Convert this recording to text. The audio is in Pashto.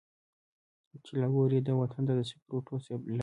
چي لا ګوري دې وطن ته د سکروټو سېلابونه.